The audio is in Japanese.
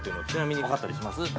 ちなみに分かったりします？